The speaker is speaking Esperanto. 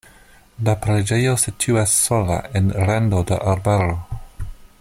La preĝejo situas sola en rando de arbaro.